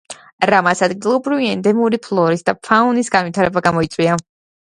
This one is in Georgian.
რამაც ადგილობრივი, ენდემური ფლორის და ფაუნის განვითარება გამოიწვია.